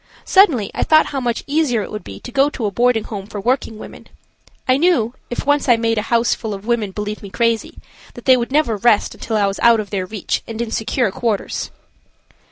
Suddenly I thought how much easier it would be to go to a boarding home for working women. I knew, if once I made a houseful of women believe me crazy, that they would never rest until I was out of their reach and in secure quarters.